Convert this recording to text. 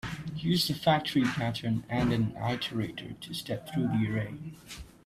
Use the factory pattern and an iterator to step through the array.